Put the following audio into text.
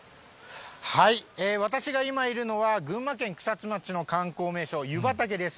私が今いるのは、群馬県草津町の観光名所、湯畑です。